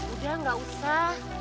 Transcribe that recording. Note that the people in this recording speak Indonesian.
udah gak usah